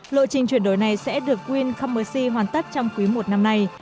lộ trình chuyển đổi này sẽ được wincommerce hoàn tất trong quý một năm nay